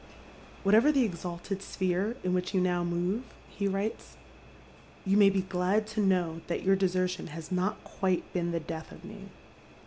" Whatever the exalted sphere in which you now move," he Wrii cSj " you may be glad to know that your detsertion has not • 120 Dead Mai's Shoei. quite been the death of me.